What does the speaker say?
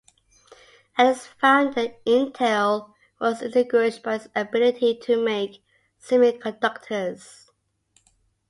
At its founding, Intel was distinguished by its ability to make semiconductors.